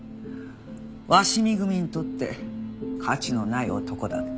鷲見組にとって価値のない男だった。